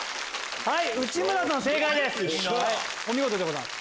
内村さん正解です。